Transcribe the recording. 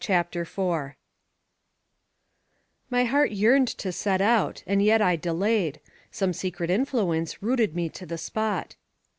CHAPTER IV MY heart yearned to set out and yet I delayed; some secret influence rooted me to the spot.